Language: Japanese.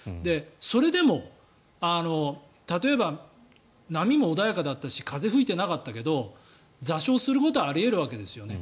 それでも例えば波も穏やかだったし風吹いてなかったけど座礁することはあり得るわけですよね。